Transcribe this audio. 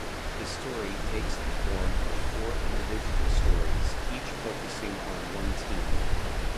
The story takes the form of four individual stories, each focusing on one team.